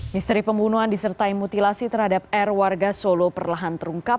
misteri pembunuhan disertai mutilasi terhadap r warga solo perlahan terungkap